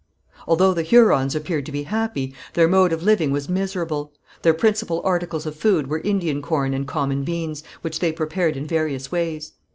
Although the Hurons appeared to be happy, their mode of living was miserable. Their principal articles of food were Indian corn and common beans, which they prepared in various ways.